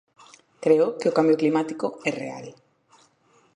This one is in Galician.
Creo que o cambio climático é real.